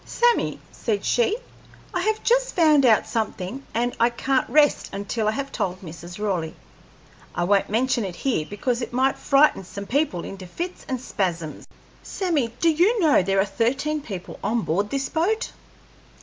"Sammy," said she, "I have just found out something, and I can't rest until I have told Mrs. Raleigh. I won't mention it here, because it might frighten some people into fits and spasms. Sammy, do you know there are thirteen people on board this boat?"